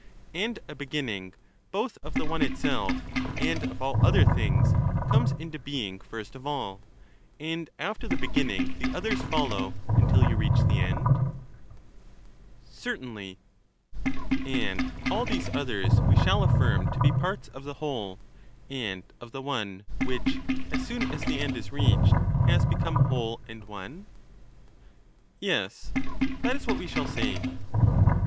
into being And a beginning, both of the one itself and of all other "^^^ things, comes into being first of all ; and after the beginning, them : the others follow, until you reach the end ? Certainly. And all these others we shall affirm to be parts of the whole and of the one, which, as soon as the end is reached, has become whole and one ? Yes ; that is what we shall say.